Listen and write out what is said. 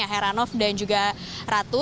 heranov dan juga ratu